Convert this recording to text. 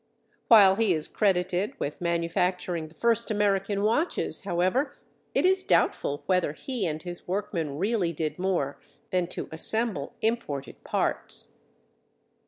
While he is credited with manufacturing the first American watches, however, it is doubtful whether he and his workmen really did more than to assemble imported parts.